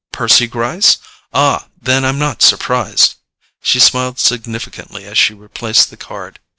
Percy Gryce? Ah, then I'm not surprised!" She smiled significantly as she replaced the card.